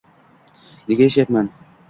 Nega yashayapman